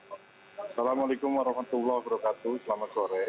assalamualaikum warahmatullahi wabarakatuh selamat sore